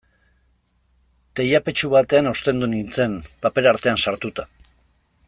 Teilapetxu batean ostendu nintzen, paper artean sartuta.